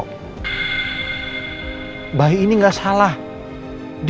aku pasti akan menentukan baba normal